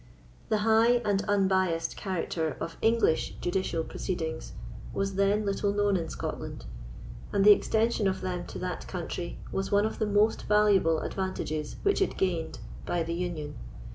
The high and unbiased character of English judicial proceedings was then little known in Scotland, and the extension of them to that country was one of the most valuable advantages which it gained by the Union.